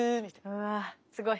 うわすごい。